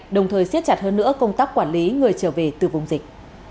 đồng thời xiết chặt hơn nữa công tác quản lý người trở về từ vùng dịch